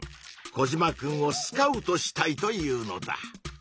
コジマくんをスカウトしたいというのだ。